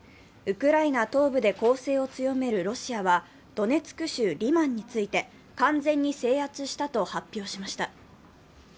ウクライナ東部で攻勢を強めるロシアはドネツク州リマンについて完全に制圧したと発表しました。